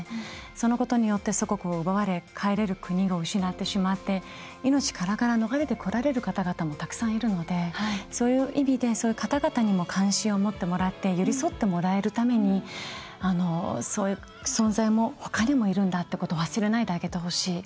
そのことによって、祖国を奪われ帰れる国を失ってしまって命からがら逃れてこられる方々もたくさんいるのでそういう意味でそういう方々にも関心を持ってもらって寄り添ってもらえるためにそういう存在もほかにもいるんだってことを忘れないであげてほしい。